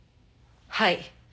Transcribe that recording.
はい。